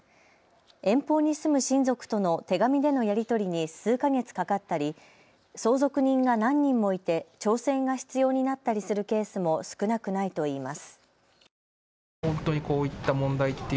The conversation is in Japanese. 遠方に住む親族との手紙でのやり取りに数か月かかったり相続人が何人もいて調整が必要になったりするケースも少なくないといいます。